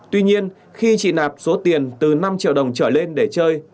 tuy nhiên khi chị nạp số tiền từ năm triệu đồng trở lên để chơi